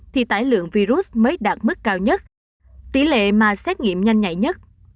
thì tải lượng virus mới đạt mức cao nhất tỷ lệ mà xét nghiệm nhanh nhạy nhất